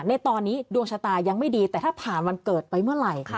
ในตอนนี้ดวงชะตายังไม่ดีแต่ถ้าผ่านวันเกิดไปเมื่อไหร่